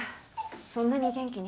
そんなに元気に？